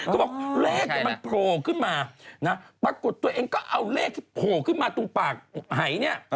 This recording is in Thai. ใช่แรกมันโผล่ขึ้นมานะปรากฏตัวเองก็เอาแรกโผล่ขึ้นมาตรงปากไหย